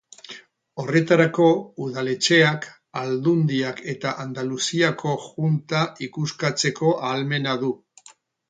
Horretarako, udaletxeak, Aldundiak eta Andaluziako Junta ikuskatzeko ahalmena du.